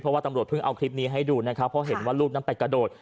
เพราะว่าตำรวจเพิ่งเอาคลิปนี้ให้ดูนะครับเพราะเห็นว่าลูกนั้นไปกระโดด